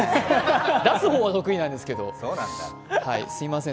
出す方は得意なんですけど、すいません。